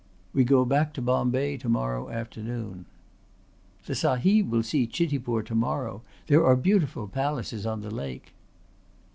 "We go back to Bombay to morrow afternoon." "The Sahib will see Chitipur to morrow. There are beautiful palaces on the lake."